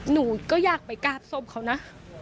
หนูก็อยากไปกราบศพเขานะ